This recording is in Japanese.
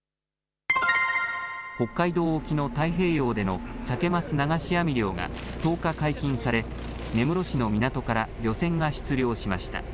北海道沖の太平洋でのサケ・マス流し網漁が１０日、解禁され根室市の港から漁船が出漁しました。